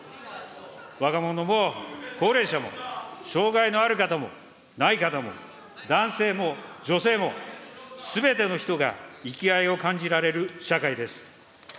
若者も高齢者も、障害のある方もない方も、男性も女性も、すべての人が生きがいを感じられる社会です。